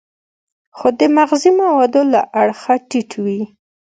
خو د مغذي موادو له اړخه ټیټ وي.